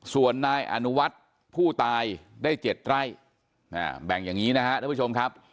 ส่วนนายอนุวัฒน์ผู้ตายได้๗ไร่แบ่งอย่างนี้นะฮะท่านผู้ชมครับ